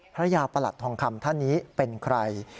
พระยาประหลัดทองคำท่านนี้เป็นใคร